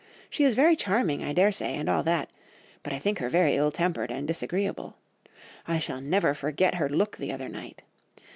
She is very charming, I daresay, and all that, but I think her very ill tempered and disagreeable; I shall never forget her look the other night.